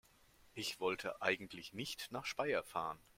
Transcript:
Ich wollte eigentlich nicht nach Speyer fahren